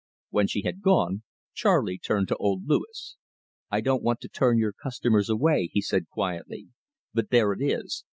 When she had gone, Charley turned to old Louis. "I don't want to turn your customers away," he said quietly, "but there it is!